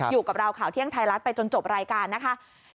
อยู่กับเราข่าวเที่ยงไทยรัฐไปจนจบรายการนะคะ